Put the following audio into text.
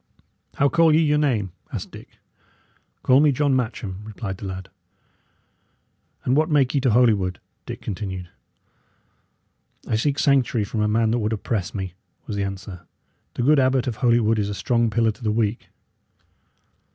"How call ye your name?" asked Dick. "Call me John Matcham," replied the lad. "And what make ye to Holywood?" Dick continued. "I seek sanctuary from a man that would oppress me," was the answer. "The good Abbot of Holywood is a strong pillar to the weak."